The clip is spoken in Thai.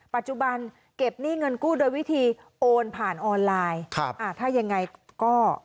ปัจจุบันเก็บหนี้เงินกู้โดยวิธีโอนผ่านออนไลน์ครับอ่าถ้ายังไงก็